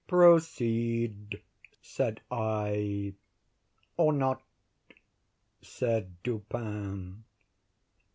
"Proceed," said I. "Or not," said Dupin.